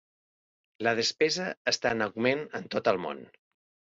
La despesa està en augment en tot el món.